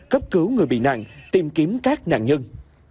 cấp cứu người bị nạn tìm kiếm các nạn nhân